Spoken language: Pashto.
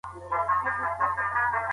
د الله محاسبه عادلانه ده.